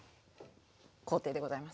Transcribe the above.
工程でございます。